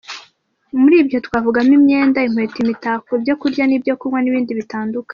Muri byo twavugamo imyenda, inkweto, imitako, ibyo kurya n’ibyo kunywa n’ibindi bitandukanye.